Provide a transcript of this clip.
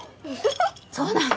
そうなの？